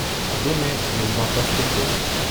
Donnez, je vais vous en faire chauffer.